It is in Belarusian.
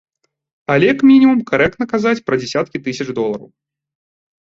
Але, к мінімум, карэктна казаць пра дзясяткі тысяч долараў.